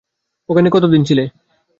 ওখানে কতদিন ছিলে?